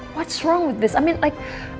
apa yang salah dengan ini